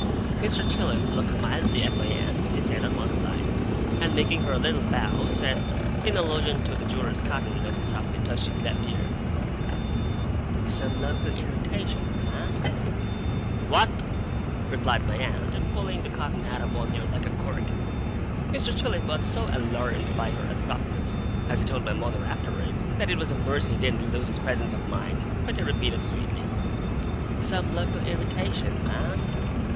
Mr. Chillip, looking mildly at my aunt with his head on one side, and making her a little bow, said, in allusion to the jewellers' cotton, as he softly touched his left ear: 'Some local irritation, ma'am?' 'What!' replied my aunt, pulling the cotton out of one ear like a cork. Mr. Chillip was so alarmed by her abruptness as he told my mother afterwards that it was a mercy he didn't lose his presence of mind. But he repeated sweetly: 'Some local irritation, ma'am?